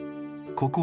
ここ